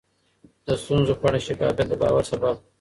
د ستونزو په اړه شفافیت د باور سبب دی.